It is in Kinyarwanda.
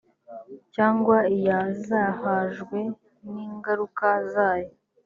cyangwa iyazahajwe n ingaruka zayo